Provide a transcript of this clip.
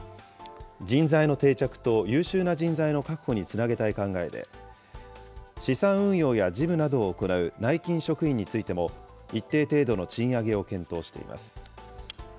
人材の定着と優秀な人材の確保につなげたい考えで、資産運用や事務などを行う内勤職員についても、一定程度の賃上げを検討しています。